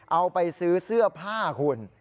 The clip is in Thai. เอาไปซื้อเสื้อผ้าคุณ